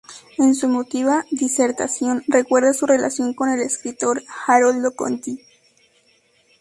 En su emotiva disertación recuerda su relación con el escritor Haroldo Conti.